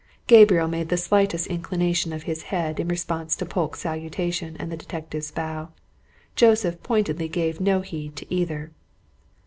Gabriel made the slightest inclination of his head, in response to Polke's salutation and the detective's bow: Joseph pointedly gave no heed to either.